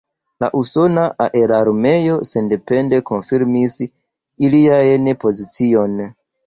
La Usona Aerarmeo sendepende konfirmis ilian pozicion.